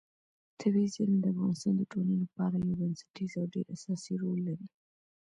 طبیعي زیرمې د افغانستان د ټولنې لپاره یو بنسټیز او ډېر اساسي رول لري.